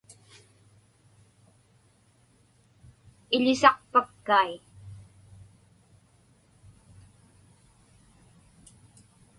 Iḷisaqpakkai.